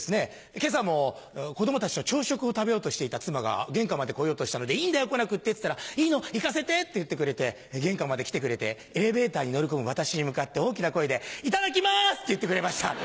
今朝も子供たちと朝食を食べようとしていた妻が玄関まで来ようとしたので「いいんだよ来なくって」って言ったら「いいの行かせて」って言ってくれて玄関まで来てくれてエレベーターに乗り込む私に向かって大きな声で「いただきます！」って言ってくれました。